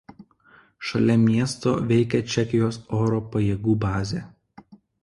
Šalia miesto veikia Čekijos oro pajėgų bazė.